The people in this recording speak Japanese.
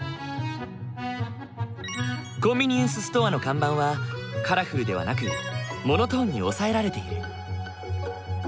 コンビニエンスストアの看板はカラフルではなくモノトーンに抑えられている。